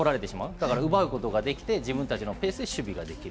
だから奪うことができて、自分たちのペースで守備ができる。